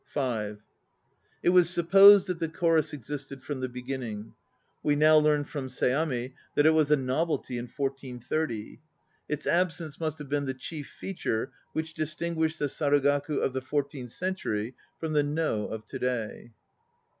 (5) It was supposed that the Chorus existed from the beginning. We now learn from Seami that it was a novelty in 1430. Its absence must have been the chief feature which distinguished the Sarugaku of the fourteenth century from the No of to day.